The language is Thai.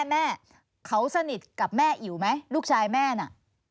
แม่เขาสนิทกับแม่อิ๋วไหมลูกชายแม่น่ะ